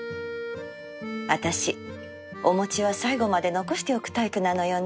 私お餅は最後まで残しておくタイプなのよね